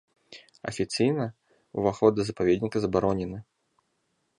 Афіцыйна ўваход да запаведніка забаронены.